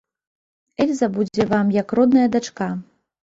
Эльза будзе вам як родная дачка.